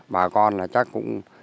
bà con là chắc cũng